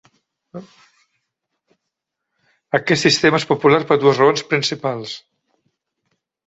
Aquest sistema és popular per dues raons principals.